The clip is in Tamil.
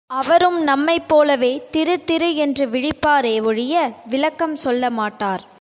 அவரும் நம்மைப் போலவே திரு திரு என்று விழிப்பாரே ஒழிய விளக்கம் சொல்ல மாட்டார்.